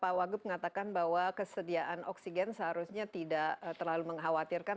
pak wagub mengatakan bahwa kesediaan oksigen seharusnya tidak terlalu mengkhawatirkan